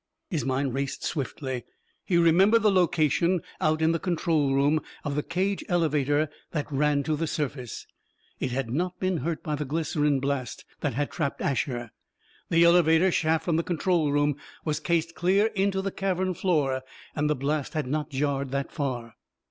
His mind raced swiftly. He remembered the location, out in the control room, of the cage elevator that ran to the surface. It had not been hurt by the glycerine blast that had trapped Asher. The elevator shaft from the control room was cased clear into the cavern floor, and the blast had not jarred this far.